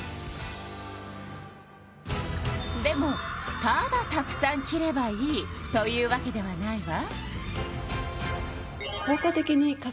でもただたくさん着ればいいというわけではないわ。